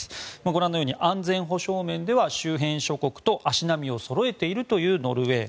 ご覧のように安全保障面では周辺諸国と足並みをそろえているというノルウェー。